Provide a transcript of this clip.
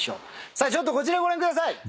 さあちょっとこちらをご覧ください。